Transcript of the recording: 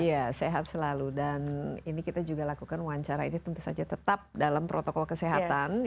iya sehat selalu dan ini kita juga lakukan wawancara ini tentu saja tetap dalam protokol kesehatan